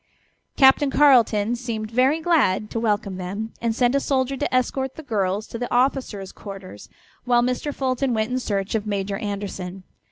Captain Carleton seemed very glad to welcome them, and sent a soldier to escort the girls to the officers' quarters, while Mr. Fulton went in search of Major Anderson.